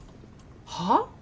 はあ？